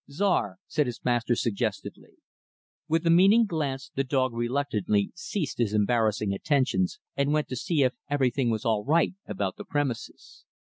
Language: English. "Czar," said his master, suggestively. With a meaning glance, the dog reluctantly ceased his embarrassing attentions and went to see if everything was all right about the premises.